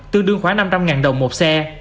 tương đương khoảng năm trăm linh đồng một xe